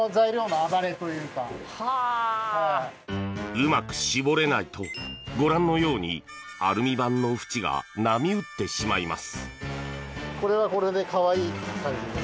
うまく絞れないとご覧のようにアルミ板の縁が波打ってしまいます。